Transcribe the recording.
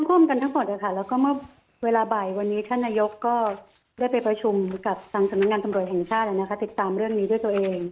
ร่วมกันทั้งหมดแล้วก็เมื่อเวลาบ่ายวันนี้ท่านนายกก็ได้ไปประชุมกับทางสำนักงานตำรวจแห่งชาติติดตามเรื่องนี้ด้วยตัวเอง